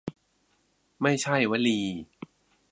ไม่ใช่วลี